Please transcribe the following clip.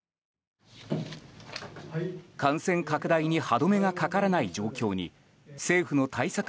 感染拡大に歯止めがかからない状況に政府の対策